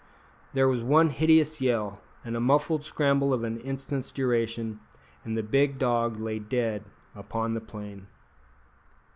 There was one hideous yell, a muffled scramble of an instant's duration, and the big dog lay dead upon the plain!